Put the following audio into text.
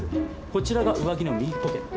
こちらが上着の右ポケット。